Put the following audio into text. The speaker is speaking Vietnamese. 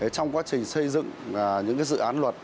trong quá trình xây dựng những dự án luật